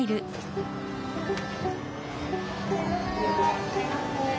いらっしゃいませ。